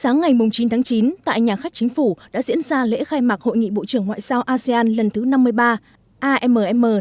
ngày chín tháng chín tại nhà khách chính phủ đã diễn ra lễ khai mạc hội nghị bộ trưởng ngoại giao asean lần thứ năm mươi ba amm năm mươi ba